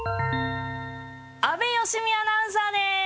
阿部芳美アナウンサーです。